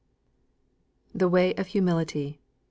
"The way of humility.